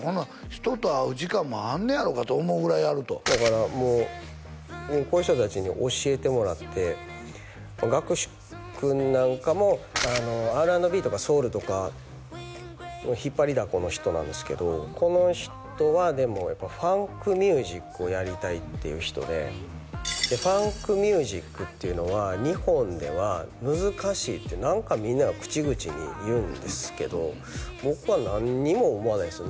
人と会う時間もあんねやろかと思うぐらいやるとだからもうこの人達に教えてもらってＧａｋｕｓｈｉ君なんかもＲ＆Ｂとかソウルとか引っ張りだこの人なんですけどこの人はでもファンクミュージックをやりたいっていう人ででファンクミュージックっていうのは日本では難しいって何かみんなが口々に言うんですけど僕は何にも思わないんですよ